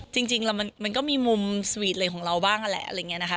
จริงแล้วมันก็มีมุมสวีทอะไรของเราบ้างนั่นแหละอะไรอย่างนี้นะคะ